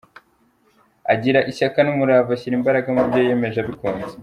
Agira ishyaka n’umurava, ashyira imbaraga mubyo yiyemeje abikunze.